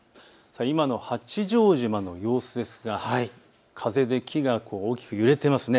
今の八丈島の様子ですが風で木が大きく揺れていますね。